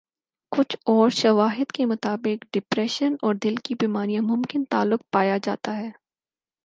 کچھ اورشواہد کے مطابق ڈپریشن اور دل کی بیماریوں ممکن تعلق پایا جاتا ہے